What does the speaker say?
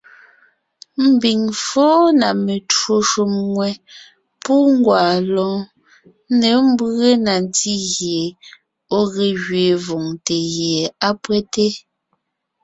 Ḿbiŋ fɔ́ɔn na metwó shúm ŋwɛ́, pú ńgwaa lɔ́ɔn, ńne ḿbʉe na ntí gie ɔ̀ ge gẅiin vòŋte gie á pÿɛ́te.